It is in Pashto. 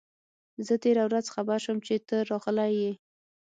زه تېره ورځ خبر شوم چي ته راغلی یې.